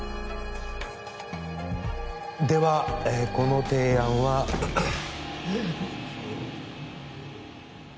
ではこの提案は・えっ！？